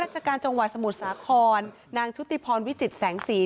รัจจากการจงวัยสมุทรสาครนางชุฏิพรวิจิตสังสี